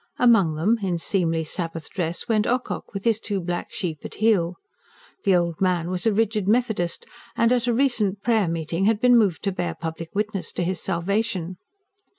Among them, in seemly Sabbath dress, went Ocock, with his two black sheep at heel. The old man was a rigid Methodist, and at a recent prayer meeting had been moved to bear public witness to his salvation.